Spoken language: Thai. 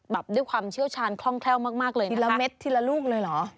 แบบด้วยความเชี่ยวชาญคล่องแคล่วมากเลยทีละเม็ดทีละลูกเลยเหรอ